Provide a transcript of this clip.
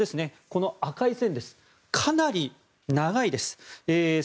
この赤い線、かなり長いです。